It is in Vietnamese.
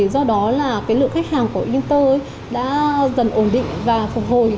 do đó là lượng khách hàng của ít tố đã dần ổn định và phục hồi